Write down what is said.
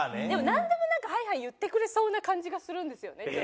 でもなんでもなんかはいはい言ってくれそうな感じがするんですよね。